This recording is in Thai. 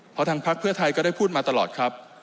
เพราะทางพักเพื่อไทยก็ได้พูดมาตลอดครับ